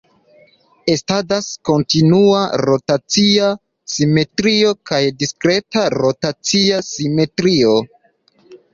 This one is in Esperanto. Estadas kontinua rotacia simetrio kaj diskreta rotacia simetrio.